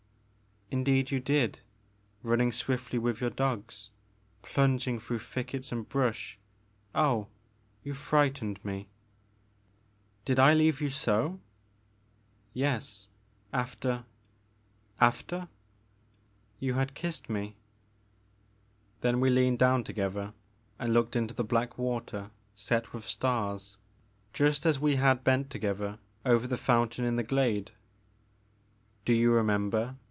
'* Indeed you did, running swifUy with your dog, plunging through thickets and brush, — oh — ^you frightened me. 70 Tlie Maker of Moons. Did I leave you so ?" ''Yes— after 'After?'' *' You had kissed me '* Then we leaned down together and looked into the black water set with stars, just as we had bent together over the fountain in the glade. Do you remember